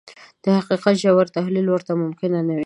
د حقيقت ژور تحليل ورته ممکن نه وي.